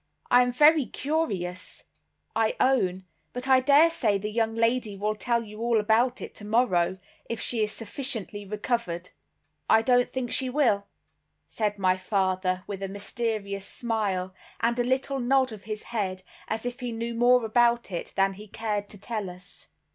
I am very curious, I own; but I dare say the young lady will tell you all about it tomorrow, if she is sufficiently recovered." "I don't think she will," said my father, with a mysterious smile, and a little nod of his head, as if he knew more about it than he cared to tell us.